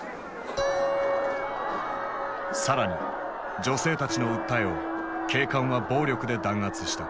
更に女性たちの訴えを警官は暴力で弾圧した。